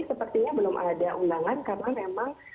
sepertinya belum ada undangan karena memang